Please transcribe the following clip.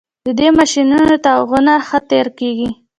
د دې ماشینونو تیغونه ښه تیره کیږي